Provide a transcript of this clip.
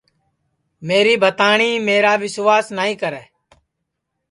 میری بھتاٹؔی میرا وسواس نائی کرے